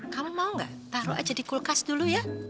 kamu mau nggak taruh aja di kulkas dulu ya